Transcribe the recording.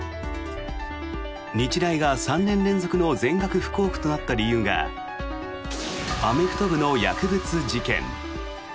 日大が３年連続の全額不交付となった理由がアメフト部の薬物事件。